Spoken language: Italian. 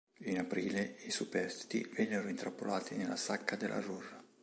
In aprile i superstiti vennero intrappolati nella sacca della Ruhr.